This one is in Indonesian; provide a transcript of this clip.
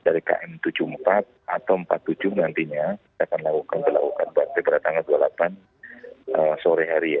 dari km tujuh puluh empat atau empat puluh tujuh nantinya kita akan melakukan berlatangan dua puluh delapan sore hari ya